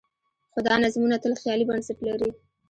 خو دا نظمونه تل خیالي بنسټ لري.